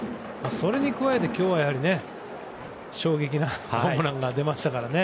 それに加えて、今日は衝撃なホームランが出ましたからね。